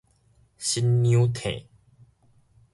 新娘撐